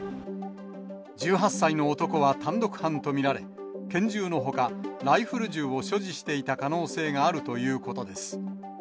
１８歳の男は単独犯と見られ、拳銃のほか、ライフル銃を所持していた可能性があるということです。